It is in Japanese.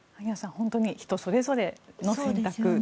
本当に人それぞれの選択ですね。